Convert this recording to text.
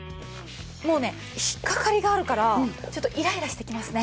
もうね引っかかりがあるからちょっとイライラしてきますね。